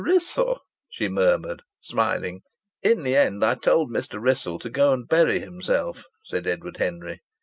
Wrissell!" she murmured, smiling. "In the end I told Mr. Wrissell to go and bury himself," said Edward Henry.